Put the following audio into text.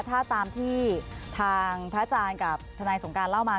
ถ้าตามที่ทางพระอาจารย์กับทนายสงการเล่ามา